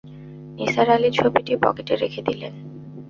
নিসার আলি ছবিটি পকেটে রেখে দিলেন।